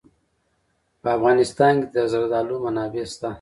په افغانستان کې د زردالو منابع شته.